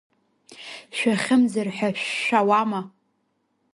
Шәахьымӡар ҳәа шәшәауама?